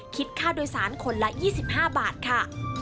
คิดค่าโดยสารคนละ๒๕บาทค่ะ